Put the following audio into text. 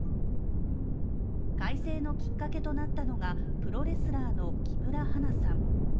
改正のきっかけとなったのがプロレスラーの木村花さん。